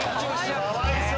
かわいそう！